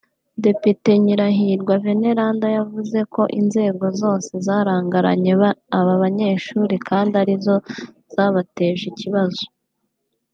Depite Nyirahirwa Veneranda yavuze ko inzego zose zarangaranye aba banyeshuri kandi ari zo zabateje ikibazo